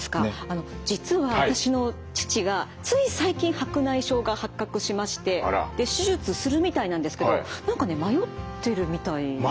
あの実は私の父がつい最近白内障が発覚しましてで手術するみたいなんですけど何かね迷ってるみたいなんですよ。